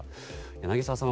柳澤さん